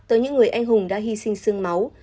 tới những người anh hùng đã hy sinh sương máu